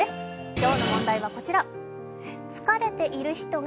今日の問題はこちら。